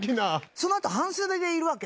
そのあと半袖でいるわけ。